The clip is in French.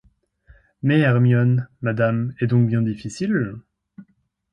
Mais Hermione, madame, est donc bien difficile ?